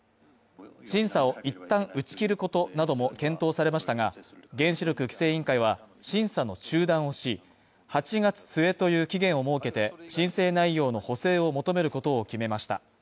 審査を一旦打ち切ることなども検討されましたが、原子力規制委員会は、審査の中断をし、８月末という期限を設けて、申請内容の補正を求めることを決めました。